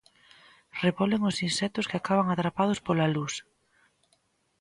Rebolen os insectos, que acaban atrapados pola luz.